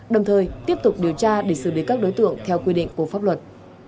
đồng thời tiếp tục điều tra để xử lý các đối tượng theo quy định của pháp luật